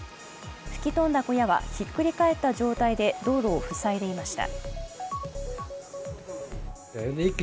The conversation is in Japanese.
吹き飛んだ小屋はひっくり返った状態で道路を塞いでいました。